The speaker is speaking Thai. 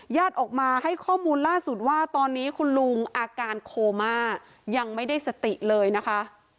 ออกมาให้ข้อมูลล่าสุดว่าตอนนี้คุณลุงอาการโคม่ายังไม่ได้สติเลยนะคะ